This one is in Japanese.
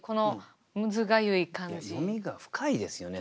読みが深いですよね。